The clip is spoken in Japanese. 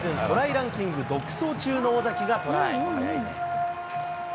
ランキング独走中の尾崎がトライ。